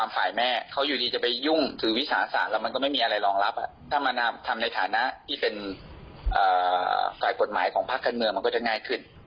ฝ่ายกฎหมายของภาคการเมืองมันก็จะง่ายขึ้น